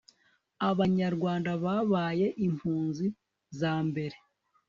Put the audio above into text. abanyarwanda babaye impunzi za mbere